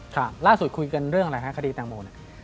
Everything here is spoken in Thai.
ครับล่าสุดคุยกันเรื่องอะไรนะฮะคดีแต่งโม